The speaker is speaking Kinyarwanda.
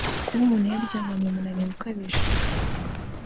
Kuba umuntu yaryamanye umunaniro ukabije